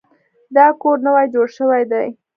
دا کور نوی جوړ شوی دی.